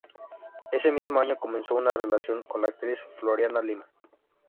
Ese mismo año comenzó una relación con la actriz Floriana Lima.